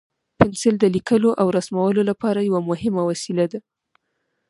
پنسل د لیکلو او رسمولو لپاره یو مهم وسیله ده.